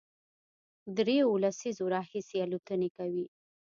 درېیو لسیزو راهیسې الوتنې کوي،